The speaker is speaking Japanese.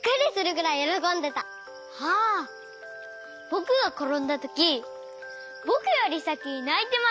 ぼくがころんだときぼくよりさきにないてました。